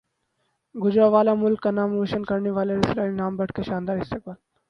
گوجرانوالہ ملک کا نام روشن کرنیوالے ریسلر انعام بٹ کا شاندار استقبال